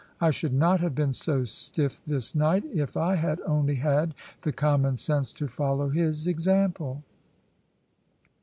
I should not have been so stiff this night, if I had only had the common sense to follow his example."